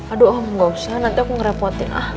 aduh oh gak usah nanti aku ngerepotin ah